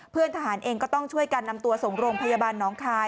เพื่อนทหารเองก็ต้องช่วยกันนำตัวส่งโรงพยาบาลน้องคาย